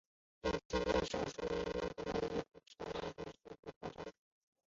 并且参加手术的医院工作人员也不知道这颗子弹随时都可能会爆炸。